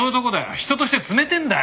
人として冷てえんだよ。